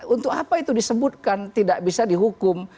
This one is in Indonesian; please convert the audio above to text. untuk apa itu disebutkan tidak bisa dihukum